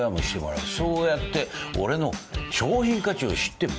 そうやって俺の商品価値を知ってもらう。